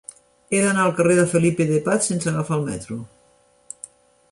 He d'anar al carrer de Felipe de Paz sense agafar el metro.